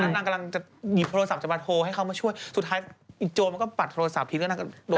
นางกำลังจะหยิบโทรศัพท์จะมาโทรให้เขามาช่วยสุดท้ายไอ้โจรมันก็ปัดโทรศัพท์ทิ้งแล้วนางก็โดน